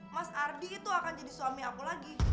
mas ardi itu akan jadi suami aku lagi